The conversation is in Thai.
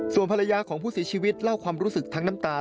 ส่วนภรรยาของผู้เสียชีวิตเล่าความรู้สึกทั้งน้ำตา